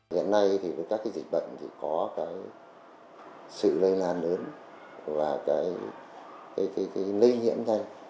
hiện nay với các dịch bệnh thì có sự lây lan lớn và lây nhiễm nhanh